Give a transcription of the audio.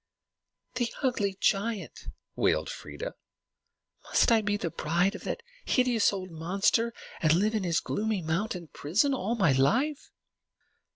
"The ugly giant!" wailed Freia. "Must I be the bride of that hideous old monster, and live in his gloomy mountain prison all my life?"